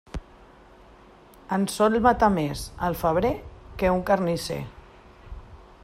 En sol matar més el febrer que un carnisser.